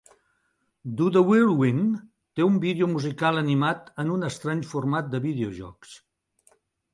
"Do the Whirlwind" té un vídeo musical animat en un estrany format de videojocs.